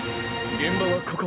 現場はここ。